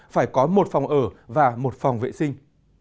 phải có một phòng ở và một phòng vệ sinh